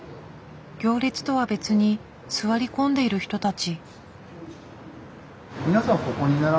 行列とは別に座り込んでいる人たち。